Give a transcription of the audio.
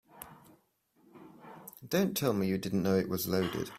Don't tell me you didn't know it was loaded.